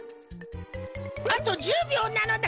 あと１０びょうなのだ。